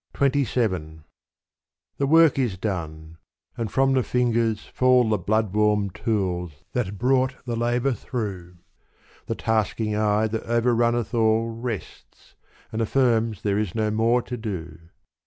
XXVII The work is done and from the fingers fall The bloodwarm tools that brought the labor through The tasking eye that overrunneth all Rests, and affirms there is no more to do.